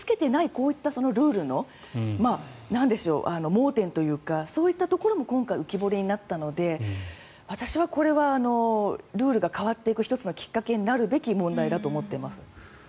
こういったルールの盲点というかそういったところも今回、浮き彫りになったので私はこれはルールが変わっていく１つのきっかけになるべき問題だと思っています。